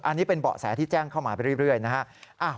อันนี้เป็นเบาะแสที่แจ้งเข้ามาไปเรื่อยนะฮะ